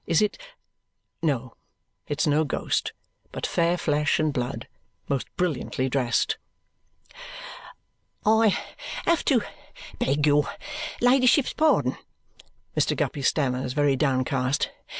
Is it ? No, it's no ghost, but fair flesh and blood, most brilliantly dressed. "I have to beg your ladyship's pardon," Mr. Guppy stammers, very downcast.